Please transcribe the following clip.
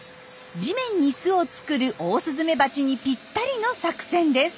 地面に巣を作るオオスズメバチにぴったりの作戦です。